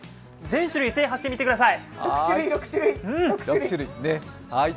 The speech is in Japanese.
全種類制覇してみてください。